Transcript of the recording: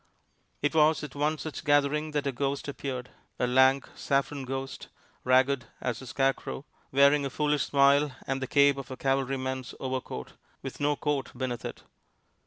It was at one such gathering that a ghost appeared a lank, saffron ghost, ragged as a scarecrow wearing a foolish smile and the cape of a cavalryman's overcoat with no coat beneath it.